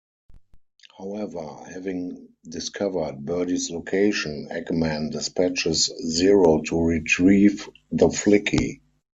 However, having discovered Birdie's location, Eggman dispatches Zero to retrieve the Flicky.